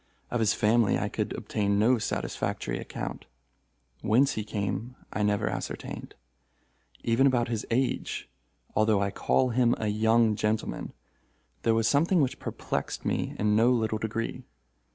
Of his family I could obtain no satisfactory account. Whence he came, I never ascertained. Even about his age—although I call him a young gentleman—there was something which perplexed me in no little degree.